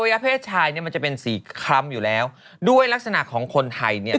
เพศชายเนี่ยมันจะเป็นสีคล้ำอยู่แล้วด้วยลักษณะของคนไทยเนี่ย